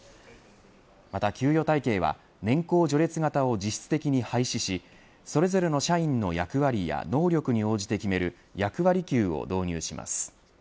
また給与体系は年功序列型を実質的に廃止しそれぞれの社員の役割や能力に応じて決める役割給を導入します。